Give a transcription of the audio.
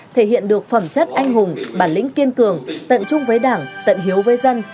thể hiện được phẩm chất anh hùng bản lĩnh kiên cường tận trung với đảng tận hiếu với dân